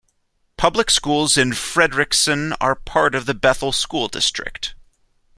Public schools in Frederickson are part of the Bethel School District.